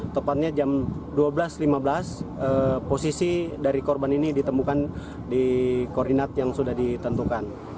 tepatnya jam dua belas lima belas posisi dari korban ini ditemukan di koordinat yang sudah ditentukan